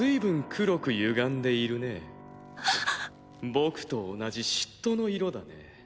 僕と同じ嫉妬の色だね。